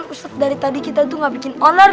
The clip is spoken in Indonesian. ustaz dari tadi kita tuh gak bikin oner